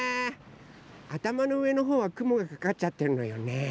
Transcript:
あたまのうえのほうはくもがかかっちゃってるのよね。